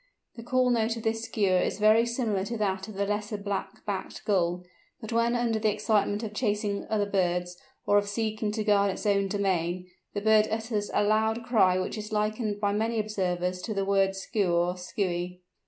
The call note of this Skua is very similar to that of the Lesser Black backed Gull, but when under the excitement of chasing other birds, or of seeking to guard its own domain, the bird utters a loud cry which is likened by many observers to the word skua or skui.